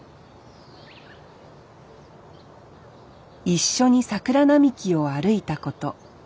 一緒に桜並木を歩いたこと。